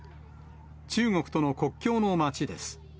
中国との国境の町です。